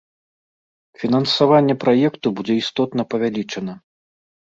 Фінансаванне праекту будзе істотна павялічана.